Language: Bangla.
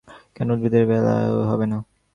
কেন উদ্ভিদের বেলায়ও হবে না?